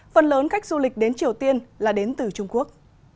phần lớn khách du lịch đến triều tiên là đến từ triều tiên